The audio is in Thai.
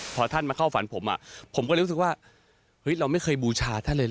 พอท่านมาเข้าฝันผมผมก็เลยรู้สึกว่าเฮ้ยเราไม่เคยบูชาท่านเลยเห